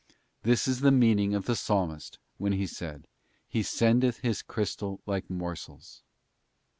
This is the meaning of the Psalmist when he said: ' He sendeth His crystal like morsels.